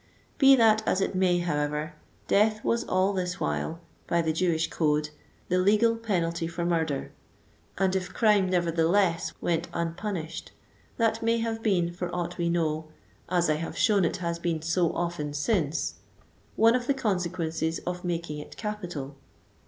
Be that as it may, however, death was all this while, by the Jewish code, the legal penalty for murder ; and if crime nevertheless went unpunished, that may have been, for aught we know, as I have shown it has been so often since, 105 one of the coasequences of making it capital.